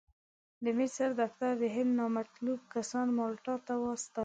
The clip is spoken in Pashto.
د مصر دفتر د هند نامطلوب کسان مالټا ته واستول.